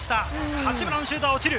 八村のシュートは落ちる。